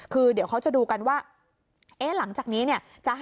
คือเดี๋ยวเขาจะดูกันว่า